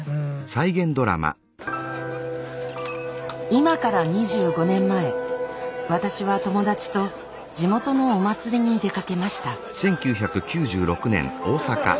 今から２５年前私は友達と地元のお祭りに出かけました。